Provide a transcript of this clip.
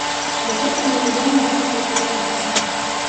Дагэтуль не вядома мэта гэтага акту.